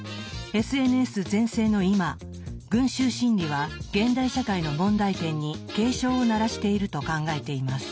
ＳＮＳ全盛の今「群衆心理」は現代社会の問題点に警鐘を鳴らしていると考えています。